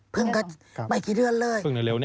เพิ่งกับกี่เดือนเลย